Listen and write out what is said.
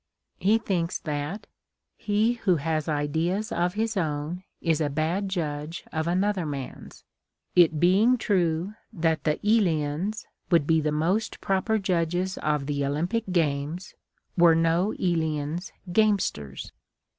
He thinks that " he who has ideas of his own is a bad judge of another man's, it being true that the Eleans would be the most proper judges of the Olympic games, were no Eleans gamesters."